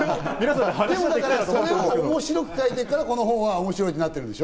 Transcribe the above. それを面白く書いてるから、この本は面白いってなってるんでしょ？